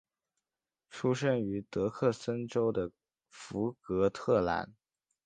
出生于萨克森州的福格特兰。